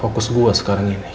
fokus gue sekarang ini cuma satu